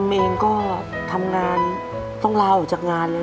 พี่เอ๋องบเองก็ทำงานต้องลาออกจากงานนะ